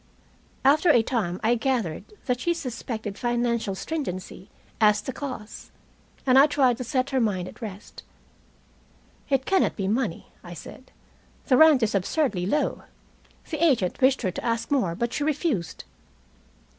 After a time I gathered that she suspected financial stringency as the cause, and I tried to set her mind at rest. "It cannot be money," I said. "The rent is absurdly low. The agent wished her to ask more, but she refused."